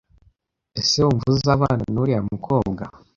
Ese wumva uzabana n’uriya mukobwa